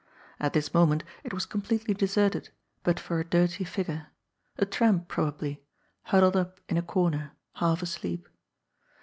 At this moment it was completely deserted, but for a dirty figure — a tramp, probably — ^huddled up in a comer, half asleep.